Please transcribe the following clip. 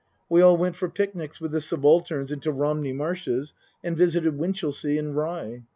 We all went for picnics with the subalterns into Romney Marshes and visited Win chelsea and Rye.